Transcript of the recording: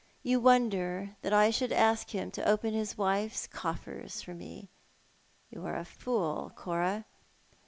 Y''ou wonder that I should ask him to open his wife's coffers for me. You are a fool, Cora.